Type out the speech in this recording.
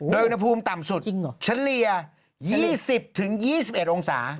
โดยอุณหภูมิต่ำสุดเฉลี่ย๒๐๒๑องศา